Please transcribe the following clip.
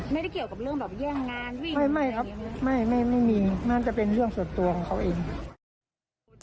ไม่ไม่มีน่าจะเป็นเรื่องส่วนตัวของเขาเอง